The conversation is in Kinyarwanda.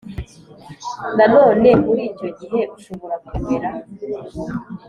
Nanone muri icyo gihe ushobora kumera